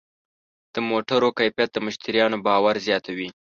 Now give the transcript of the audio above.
د موټرو کیفیت د مشتریانو باور زیاتوي.